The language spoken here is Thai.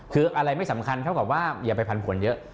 คืออะไรไม่สำคัญเท่ากับว่าอย่าไปผันผลเยอะ